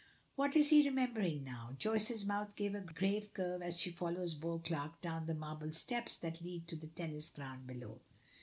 What is he remembering now? Joyce's mouth takes a grave curve as she follows Beauclerk down the marble steps that lead to the tennis ground below.